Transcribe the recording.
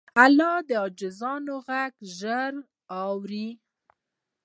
الله د عاجزانو غږ ژر اوري.